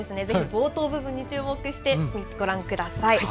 ぜひ冒頭部分に注目してぜひご覧ください。